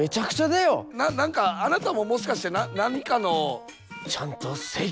な何かあなたももしかして何かの。ちゃんとせい。